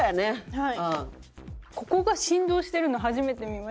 はい。